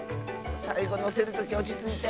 さいごのせるときおちついて。